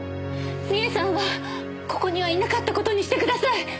美枝さんはここにはいなかった事にしてください。